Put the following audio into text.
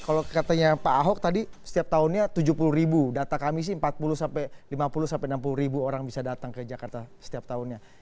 kalau katanya pak ahok tadi setiap tahunnya tujuh puluh ribu data kami sih empat puluh sampai lima puluh enam puluh ribu orang bisa datang ke jakarta setiap tahunnya